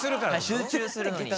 集中するのに。